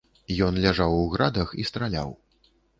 Ён ляжаў у градах і страляў.